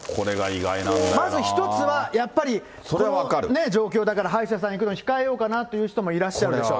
まず一つは、やっぱりこの状況だから、歯医者さんに行くのを控えようかなという方もいらっしゃるでしょう。